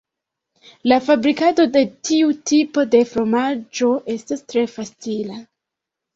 La fabrikado de tiu tipo de fromaĝo estas tre facila.